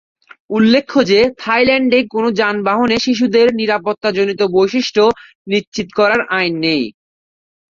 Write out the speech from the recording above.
উল্লেখ্য যে থাইল্যান্ডে কোন যানবাহনে শিশুদের নিরাপত্তাজনিত বৈশিষ্ট্য নিশ্চিত করার আইন নেই।